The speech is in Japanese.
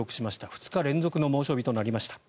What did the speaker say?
２日連続の猛暑日となりました。